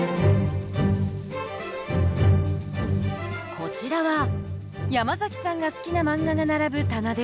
こちらはヤマザキさんが好きな漫画が並ぶ棚です。